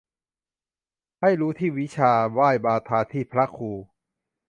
ให้รู้ที่วิชา ไหว้บาทาที่พระครู